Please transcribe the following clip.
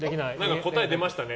答え出ましたね。